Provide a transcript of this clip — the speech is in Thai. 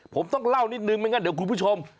ผมต้องเล่านิดนึงไม่งั้นเดี๋ยวคุณผู้ชม